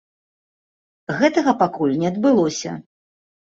Гэтага пакуль не адбылося.